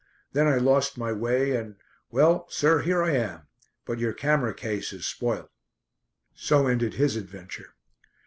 Then I lost my way and well, sir, here I am. But your camera case is spoilt." So ended his adventure.